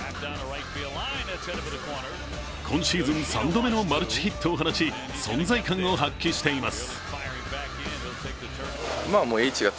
今シーズン３度目のマルチヒットを放ち、存在感を発揮しています。